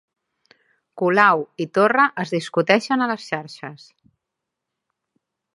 Colau i Torra es discuteixen a les xarxes